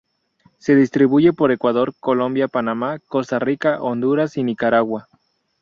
Se distribuye por Ecuador, Colombia, Panamá, Costa Rica, Honduras y Nicaragua.